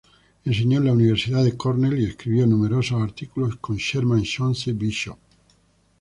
Enseñó en la Universidad de Cornell y escribió numerosos artículos con Sherman Chauncey Bishop.